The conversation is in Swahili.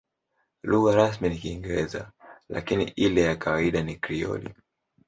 Lugha rasmi ni Kiingereza, lakini ile ya kawaida ni Krioli.